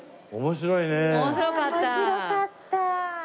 面白かった！